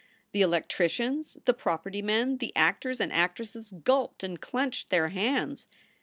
The electricians, the property men, the actors and actresses, gulped and clenched their hands.